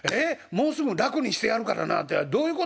もうすぐ楽にしてやるからなてのはどういうことよ！？』。